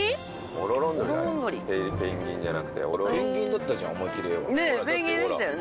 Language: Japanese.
オロロン鳥ペンギンじゃなくてペンギンだったじゃん思いっきり絵はペンギンでしたよね